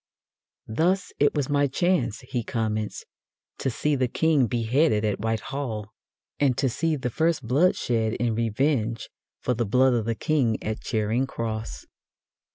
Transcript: "Thus it was my chance," he comments, "to see the King beheaded at White Hall, and to see the first blood shed in revenge for the blood of the King at Charing Cross.